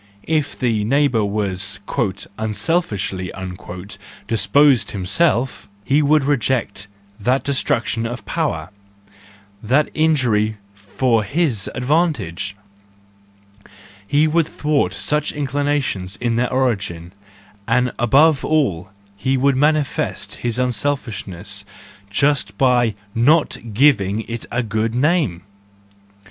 If the neighbour were "unselfishly" disposed himself, he would reject that destruction of power, that injury for his advantage, he would thwart such inclinations in their origin, and above all he would manifest his unselfishness just by not giving it a good name!